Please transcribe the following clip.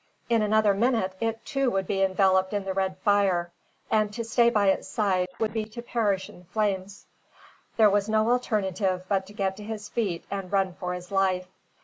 In another minute it, too, would be enveloped in the red fire, and to stay by its side would be to perish in the flames. There was no alternative but to get to his feet and run for his life.